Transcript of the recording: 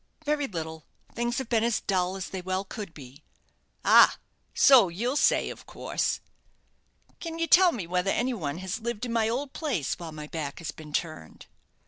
"Very little; things have been as dull as they well could be." "Ah! so you'll say, of course. Can you tell me whether any one has lived in my old place while my back has been turned?"